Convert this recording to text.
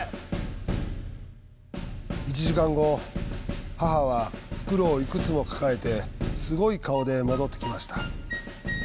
１時間後母は袋をいくつも抱えてすごい顔で戻ってきました」。